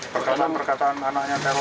perkataan perkataan anaknya terorisme